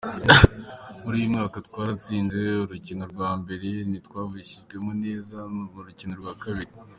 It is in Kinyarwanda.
"Muri uyu mwaka twaratsinze urukino rwa mbere, ntitwavyifashemwo neza mu rukino rwa kabiri.